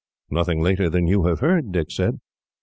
"Nothing later than you have heard," Dick said.